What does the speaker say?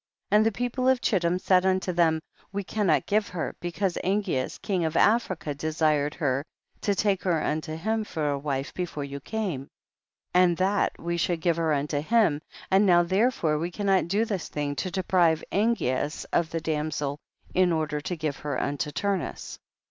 12. And the people of Chittim said unto them, we cannot give her, because Angeas king of Africa de sired her to take her unto him for a wife before you came, and that we 13 should give her unto him, and now therefore we cannot do this thing to deprive Angean of the damsel in or der to give her unto Turnus.